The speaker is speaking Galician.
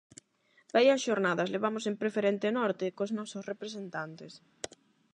Vaia xornadas levamos en Preferente norte cos nosos representantes.